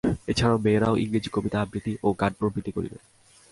এ ছাড়া মেয়েরাও ইংরেজি কবিতা আবৃত্তি এবং গান প্রভৃতি করিবে।